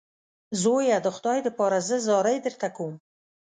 زویه د خدای دپاره زه زارۍ درته کوم.